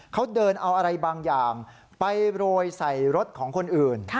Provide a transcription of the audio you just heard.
เขาเดินเอาอะไรบางอย่างไปโรยใส่รถของคนอื่น